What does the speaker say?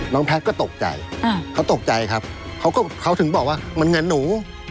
แพทย์ก็ตกใจเขาตกใจครับเขาก็เขาถึงบอกว่ามันเงินหนู